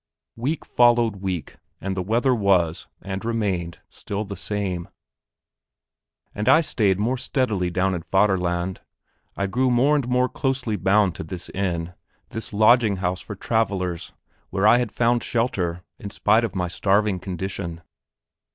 Week followed week, and the weather was, and remained, still the same. And I stayed steadily down in Vaterland. I grew more and more closely bound to this inn, this lodging house for travellers, where I had found shelter, in spite of my starving condition.